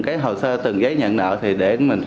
cái hồ sơ từng giấy nhận nợ thì để mình